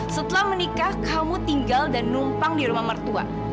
setelah menikah kamu tinggal dan numpang di rumah mertua